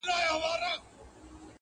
حیا مي ژبه ګونګۍ کړې ده څه نه وایمه.!